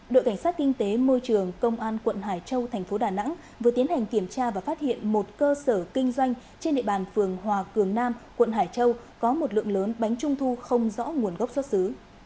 đội cảnh sát kinh tế môi trường công an quận hải châu thành phố đà nẵng vừa tiến hành kiểm tra và phát hiện một cơ sở kinh doanh trên địa bàn phường hòa cường nam quận hải châu có một lượng lớn bánh trung thu không rõ nguồn gốc xuất xứ